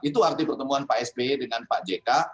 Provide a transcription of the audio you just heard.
itu arti pertemuan pak s p dengan pak j k